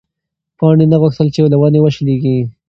پاڼې نه غوښتل چې له ونې وشلېږي.